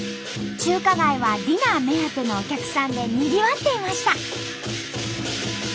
中華街はディナー目当てのお客さんでにぎわっていました。